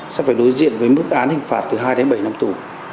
sẽ phải đối diện với mức án hình phạt từ hai đến bảy năm tù